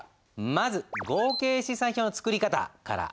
まず合計試算表の作り方から。